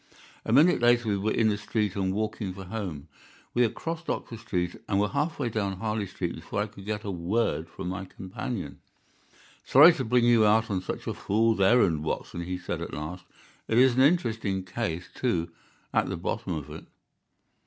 A minute later we were in the street and walking for home. We had crossed Oxford Street and were half way down Harley Street before I could get a word from my companion. "Sorry to bring you out on such a fool's errand, Watson," he said at last. "It is an interesting case, too, at the bottom of it."